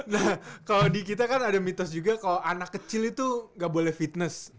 nah kalau di kita kan ada mitos juga kalau anak kecil itu nggak boleh fitness